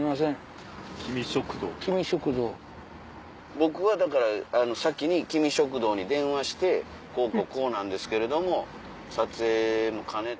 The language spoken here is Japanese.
僕はだから先にキミ食堂に電話して「こうこうこうなんですけれども撮影も兼ねて」。